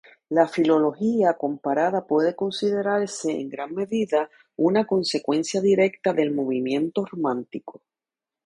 La filología comparada puede considerarse en gran medida una consecuencia directa del movimiento romántico.